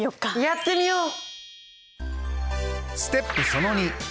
やってみよう！